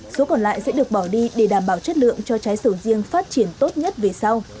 số còn lại sẽ được bỏ đi để đảm bảo chất lượng cho trái sầu riêng phát triển tốt nhất về sau